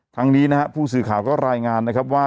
ทางนี้ผู้สื่อข่าวก็รายงานว่า